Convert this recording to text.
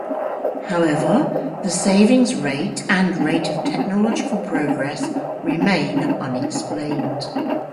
However, the savings rate and rate of technological progress remain unexplained.